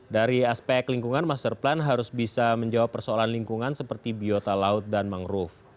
dari aspek lingkungan master plan harus bisa menjawab persoalan lingkungan seperti biota laut dan mangrove